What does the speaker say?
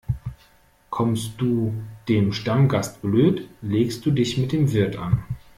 Kommst du dem Stammgast blöd, legst du dich mit dem Wirt an.